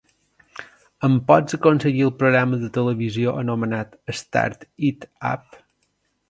em pots aconseguir el programa de televisió anomenat Start It Up?